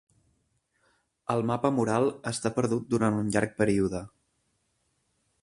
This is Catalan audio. El mapa mural restà perdut durant un llarg període.